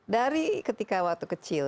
dari ketika waktu kecil